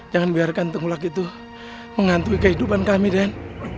jangan biarkan tengulak itu menghantui kehidupan kami den